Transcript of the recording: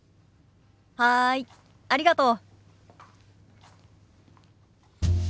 はいありがとう。